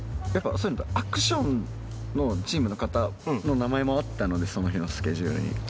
やっぱそういうのってアクションのチームの方の名前もあったのでその日のスケジュールに。